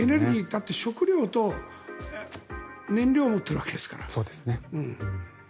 あと食料と燃料を持ってるわけですから。